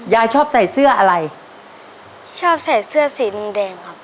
ยายชอบใส่เสื้ออะไรชอบใส่เสื้อสีแดงครับ